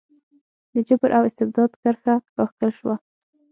د جبر او استبداد کرښه راښکل شوه.